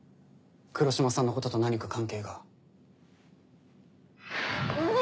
黒島さんのことと何か関係が？